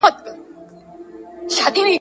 یو ګړی یې خپل کورګی او ځنګل هېر کړ ,